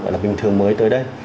gọi là bình thường mới tới đây